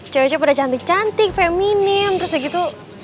cewek cewek pada cantik cantik feminim terus begitu